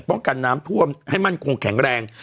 กันน้ำท่วมให้มั่นคงแข็งแรง